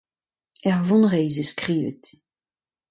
Er vonreizh eo skrivet.